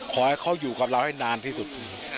ขอให้เขาอยู่กับเราให้นานที่สุด